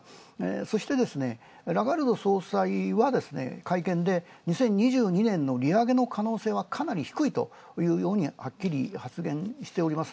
そしてラガルド総裁、会見で２０２２年の利上げの可能性はかなり低いというように、はっきり発言しております。